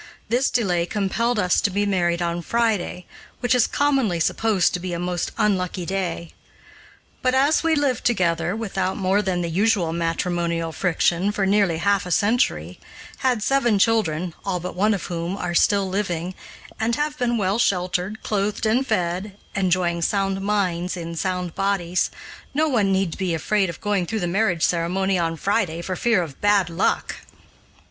This delay compelled us to be married on Friday, which is commonly supposed to be a most unlucky day. But as we lived together, without more than the usual matrimonial friction, for nearly a half a century, had seven children, all but one of whom are still living, and have been well sheltered, clothed, and fed, enjoying sound minds in sound bodies, no one need be afraid of going through the marriage ceremony on Friday for fear of bad luck.